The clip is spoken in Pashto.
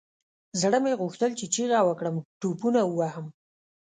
زړه مې غوښتل چې چيغه وكړم ټوپونه ووهم.